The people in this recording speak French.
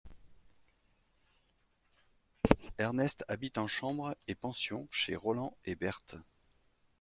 Ernest habite en chambre et pension chez Rolland & Berthe.